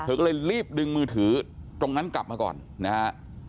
ก็เลยรีบดึงมือถือตรงนั้นกลับมาก่อนนะฮะ